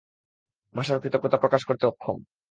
ভাষার কৃতজ্ঞতা প্রকাশ করতে অক্ষম।